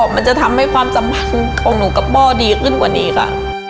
มันจะทำให้ความสัมพันธ์ของหนูกับพ่อดีขึ้นกว่านี้ค่ะ